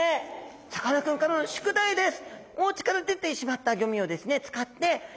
さかなクンからの宿題です。